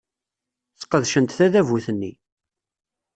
Sqedcent tadabut-nni.